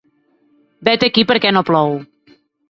Vet aquí per què no plou!